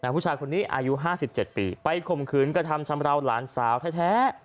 ผู้ชายคนนี้อายุ๕๗ปีไปข่มขืนกระทำชำราวหลานสาวแท้